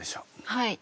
はい。